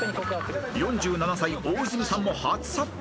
［４７歳大泉さんも初ＳＵＰ］